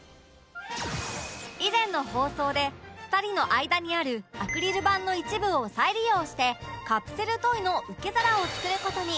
以前の放送で２人の間にあるアクリル板の一部を再利用してカプセルトイの受け皿を作る事に